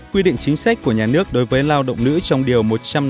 quy định chính sách của nhà nước đối với lao động nữ trong điều một trăm năm mươi